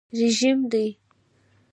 رژیم دی.